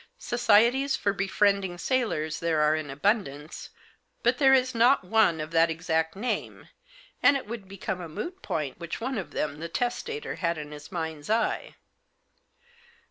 Societies for befriending sailors there are in abund ance, but there is not one of that exact name, and it would become a moot point which one of them the testator had in his mind's eye."